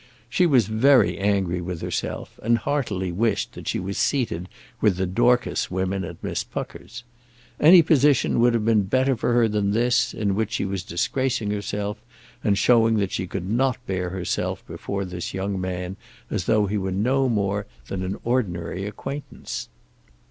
She was very angry with herself, and heartily wished that she was seated with the Dorcas women at Miss Pucker's. Any position would have been better for her than this, in which she was disgracing herself and showing that she could not bear herself before this young man as though he were no more than an ordinary acquaintance.